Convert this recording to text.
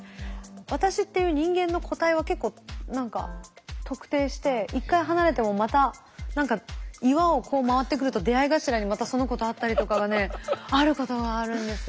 私っていう人間の個体を結構何か特定して１回離れてもまた何か岩をこう回ってくると出会い頭にまたその子と会ったりとかがねあることはあるんです。